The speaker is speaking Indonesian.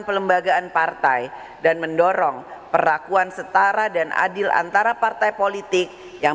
pelembagaan partai dan mendorong perlakuan setara dan adil antara partai politik yang